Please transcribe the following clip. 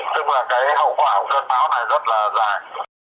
tức là cái hậu quả của cơn bão này rất là dài